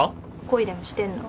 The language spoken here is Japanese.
恋でもしてんの？